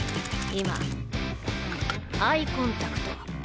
アイコンタクト。